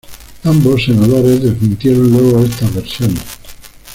Ambos senadores desmintieron luego estas versiones.